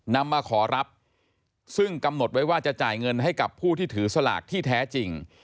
นำมาขอรับซึ่งกำหนดไว้ว่าจะจ่ายเงินให้กับผู้ที่ถือสลากที่แท้จริง